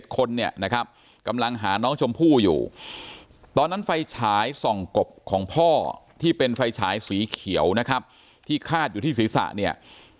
คนเนี่ยนะครับกำลังหาน้องชมพู่อยู่ตอนนั้นไฟฉายส่องกบของพ่อที่เป็นไฟฉายสีเขียวนะครับที่คาดอยู่ที่ศีรษะเนี่ย